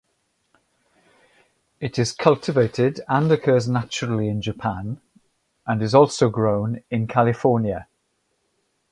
It is cultivated and occurs naturally in Japan and is also grown in California.